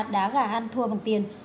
đá gà ăn thua bằng tiền